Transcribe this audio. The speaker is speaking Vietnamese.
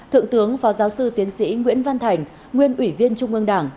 thượng tướng phó giáo sư tiến sĩ nguyễn văn thành nguyên ủy viên trung ương đảng